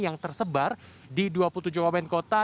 yang tersebar di dua puluh tujuh wamen kota